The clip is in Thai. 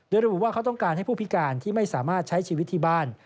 โดยระบุว่าเขาต้องการให้ผู้พิการที่ไม่สามารถใช้ชีวิตที่บ้าน